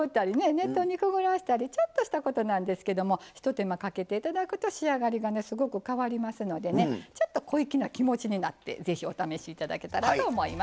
熱湯にくぐらせたりちょっとしたことなんですけどもひと手間かけて頂くと仕上がりがすごく変わりますのでちょっと小粋な気持ちになって是非お試し頂けたらと思います。